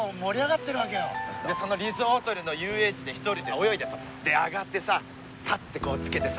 でそのリゾートホテルの遊泳地で１人で泳いでさで上がってさぱってこう着けてさ